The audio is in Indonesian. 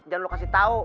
jangan lu kasih tau